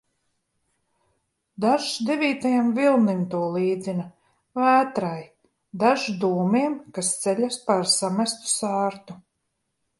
Dažs devītajam vilnim to līdzina, vētrai, dažs dūmiem, kas ceļas pār samestu sārtu.